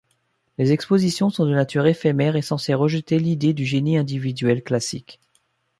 Les expositions sont de nature éphèmère et censées rejeter l'idée du génie individuel classique.